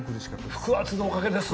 「腹圧のおかげです！」。